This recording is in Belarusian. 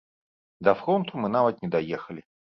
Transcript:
Да фронту мы нават не даехалі.